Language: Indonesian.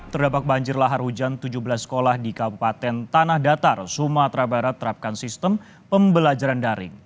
terdapat banjir lahar hujan tujuh belas sekolah di kabupaten tanah datar sumatera barat terapkan sistem pembelajaran daring